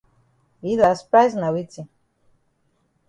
Yi las price na weti?